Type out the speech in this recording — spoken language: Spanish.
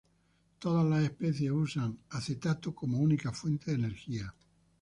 Todas las especies usan acetato como única fuente de energía.